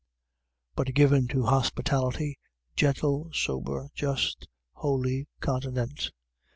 But given to hospitality, gentle, sober, just, holy, continent: 1:9.